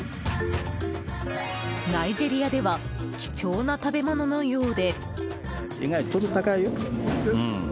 ナイジェリアでは貴重な食べ物のようで。